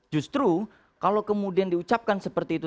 justru kalau kemudian diucapkan seperti itu